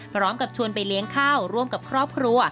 พร้อมกับชวนไปเลี้ยงข้าวร่วมกับครอบครัว